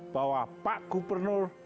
bahwa pak gubernur